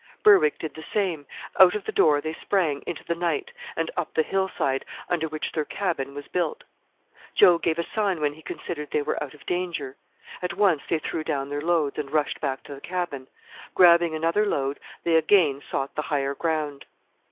Berwick did the same; out of the door they sprang into the night, and up the hillside, under which their cabin was built. Joe gave a sign when he considered they were out of danger. At once they threw down their loads and rushed back to the cabin. Grabbing another load they again sought the higher ground.